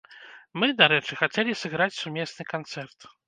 Мы, дарэчы, хацелі сыграць сумесны канцэрт.